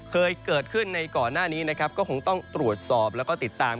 เคยเกิดขึ้นในก่อนหน้านี้นะครับก็คงต้องตรวจสอบแล้วก็ติดตาม